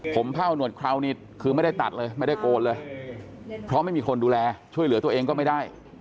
ผมเผ่าหนวดเคราวนี่คือไม่ได้ตัดเลยไม่ได้โกนเลยเพราะไม่มีคนดูแลช่วยเหลือตัวเองก็ไม่ได้